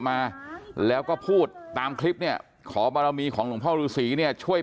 มาแล้วก็พูดตามคลิปเนี่ยขอบารมีของหลวงพ่อฤษีเนี่ยช่วย